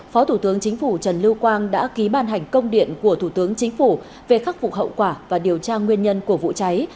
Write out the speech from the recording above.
phó thủ tướng chính phủ trần lưu quang đã ký ban hành công điện của thủ tướng chính phủ về khắc phục hậu quả và điều tra nguyên nhân của vụ cháy